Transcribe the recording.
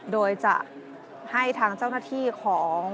โดยจะให้ทางเจ้าหน้าที่ของ